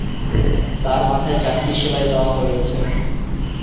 তাঁর মাথায় চারটি সেলাই দেওয়া হয়েছে।